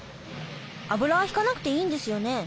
油はひかなくていいんですよね。